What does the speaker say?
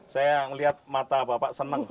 saya melihat mata bapak senang